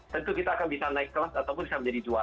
tentu kita akan bisa naik kelas ataupun bisa menjadi dua